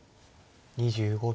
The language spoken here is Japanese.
２５秒。